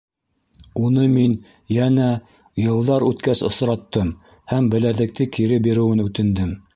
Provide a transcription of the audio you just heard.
Уны мин йәнә, йылдар үткәс осраттым... һәм беләҙекте кире биреүен үтендем.